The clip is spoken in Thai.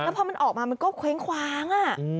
พอมันออกมามันก็เคว้งคว้าง